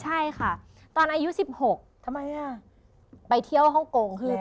ใช่ค่ะตอนอายุ๑๖ไปเที่ยวฮ่องกง